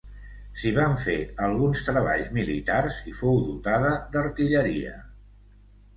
S'hi van fer alguns treballs militars i fou dotada d'artilleria.